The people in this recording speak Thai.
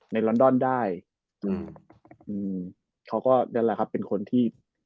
ลอนดอนได้อืมอืมเขาก็นั่นแหละครับเป็นคนที่